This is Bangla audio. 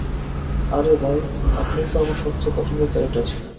আরে, ভাই, আপনিই তো আমার সবচেয়ে পছন্দের ক্যারেক্টার ছিলেন।